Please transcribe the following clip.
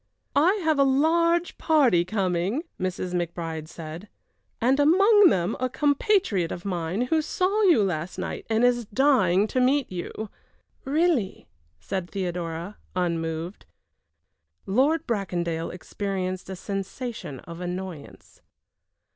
"I have a large party coming," Mrs. McBride said, "and among them a compatriot of mine who saw you last night and is dying to meet you." "Really," said Theodora, unmoved. Lord Bracondale experienced a sensation of annoyance.